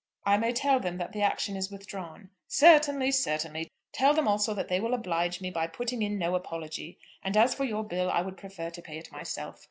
"I may tell them that the action is withdrawn." "Certainly; certainly. Tell them also that they will oblige me by putting in no apology. And as for your bill, I would prefer to pay it myself.